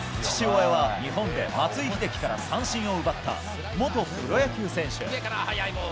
父親は日本で松井秀喜から三振を奪った、元プロ野球選手。